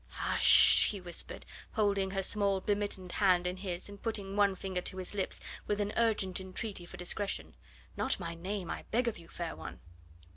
"Hush sh sh!" he whispered, holding her small bemittened hand in his, and putting one finger to his lips with an urgent entreaty for discretion; "not my name, I beg of you, fair one."